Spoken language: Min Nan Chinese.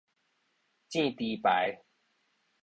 糋豬排